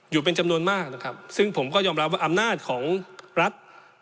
อยู่เป็นจำนวนมากนะครับซึ่งผมก็ยอมรับว่าอำนาจของรัฐ